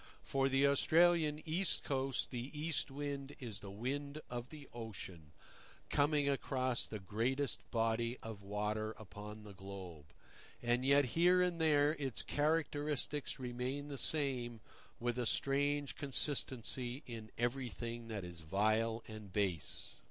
For the Australian east coast the East Wind is the wind of the ocean, coming across the greatest body of water upon the globe; and yet here and there its characteristics remain the same with a strange consistency in everything that is vile and base.